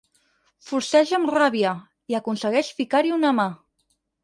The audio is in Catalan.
Forceja amb ràbia, i aconsegueix ficar-hi una mà.